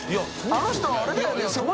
あの人あれだよね？